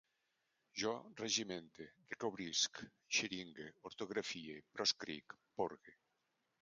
Jo regimente, recobrisc, xeringue, ortografie, proscric, porgue